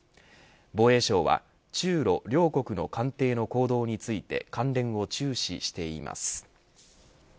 防衛省は中ロ両国の艦艇の行動について関連を注視しています。